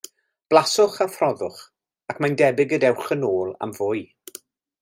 Blaswch a phrofwch, ac mae'n debyg y dewch yn ôl am fwy.